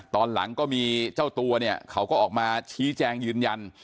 ตอนหลังก็มีเจ้าตัวเนี่ยเขาก็ออกมาชี้แจงยืนยัน